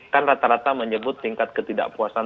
kan rata rata menyebut tingkat ketidakpuasan